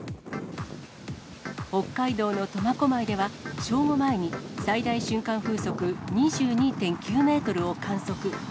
北海道の苫小牧では、正午前に最大瞬間風速２２．９メートルを観測。